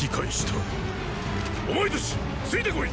お前たちついて来い！